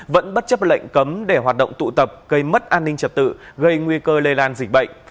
vẫn bất chấp lệnh cấm để hoạt động tụ tập gây mất an ninh trật tự gây nguy cơ lây lan dịch bệnh